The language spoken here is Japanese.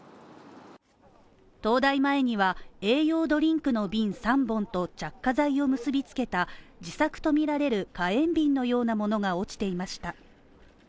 東大前には、栄養ドリンクの瓶３本と、着火剤を結びつけた自作とみられる火炎瓶のようなものが落ちていました。